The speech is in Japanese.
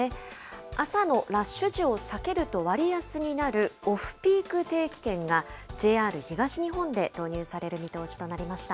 朝のラッシュ時を避けると割安になるオフピーク定期券が、ＪＲ東日本で導入される見通しとなりました。